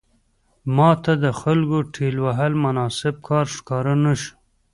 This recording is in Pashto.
ماته د خلکو ټېل وهل مناسب کار ښکاره نه شو.